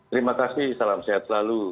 terima kasih salam sehat selalu